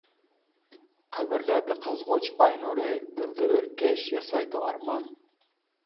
قەبرىلەردە قىزغۇچ ئاي نۇرى، دىلدا ئۆركەش ياسايدۇ ئارمان.